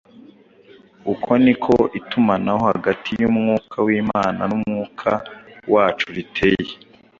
Uko niko itumanaho hagati y’Umwuka w’Imana n’umwuka wacu riteye.